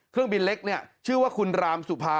เครื่องบินเล็กเนี่ยชื่อว่าคุณรามสุภา